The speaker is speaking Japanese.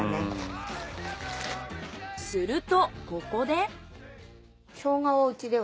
するとここで。